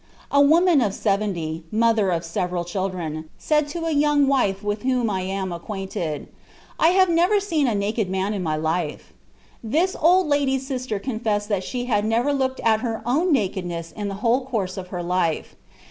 A woman of seventy, mother of several children, said to a young wife with whom I am acquainted: 'I have never seen a naked man in my life.' This old lady's sister confessed that she had never looked at her own nakedness in the whole course of her life.